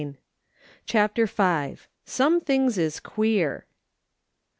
^ CHAPTER V. "SOME THINGS IS QUEER."